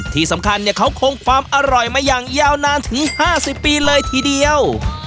ที่สำคัญเขาคงความอร่อยมาอย่างยาวนานถึง๕๐ปีเลยทีเดียว